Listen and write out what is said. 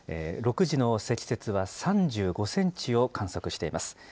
６時の積雪は３５センチを観測しています。